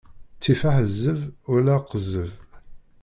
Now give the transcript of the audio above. Ttif aḥezzeb wala aqezzeb.